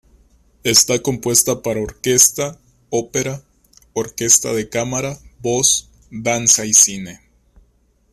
Está compuesta para orquesta, ópera, orquesta de cámara, voz, danza y cine.